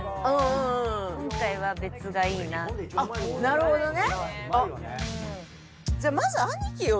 なるほどね。